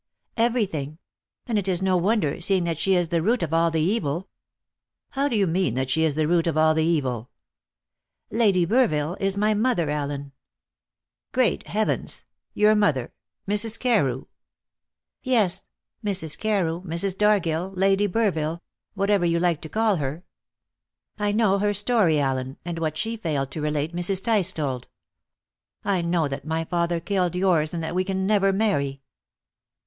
"Everything. And it is no wonder, seeing that she is the root of all the evil." "How do you mean that she is the root of all the evil?" "Lady Burville is my mother, Allen." "Great heavens! Your mother Mrs. Carew!" "Yes. Mrs. Carew, Mrs. Dargill, Lady Burville whatever you like to call her. I know her story, Allen, and what she failed to relate Mrs. Tice told. I know that my father killed yours, and that we can never marry."